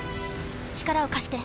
力を貸して。